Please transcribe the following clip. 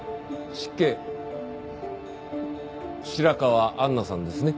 白河杏奈さんですね。